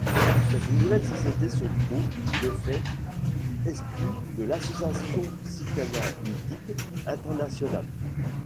Cette nouvelle société se trouve, de fait, exclue de l'Association psychanalytique internationale.